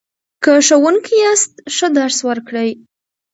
که ښوونکی یاست ښه درس ورکړئ.